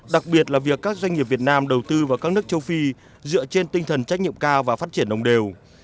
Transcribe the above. đặc biệt là việc các doanh nghiệp việt nam đầu tư vào các nước châu phi dựa trên tinh thần trách nhiệm cao và phát triển đồng đều